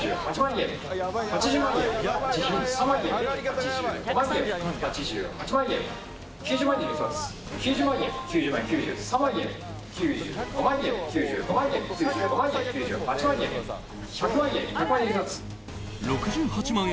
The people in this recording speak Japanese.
円８５万円、８８万円、９０万円９３万円、９５万円９８万円、１００万円。